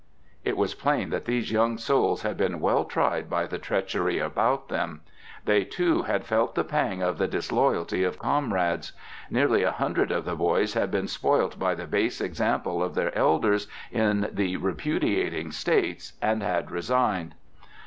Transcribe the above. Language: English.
It was plain that these young souls had been well tried by the treachery about them. They, too, had felt the pang of the disloyalty of comrades. Nearly a hundred of the boys had been spoilt by the base example of their elders in the repudiating States, and had resigned.